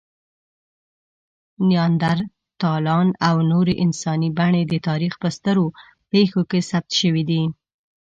نیاندرتالان او نورې انساني بڼې د تاریخ په سترو پېښو کې ثبت شوي دي.